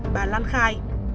bà lan khai